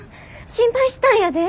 心配したんやで！